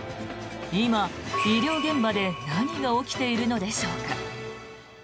今、医療現場で何が起きているのでしょうか。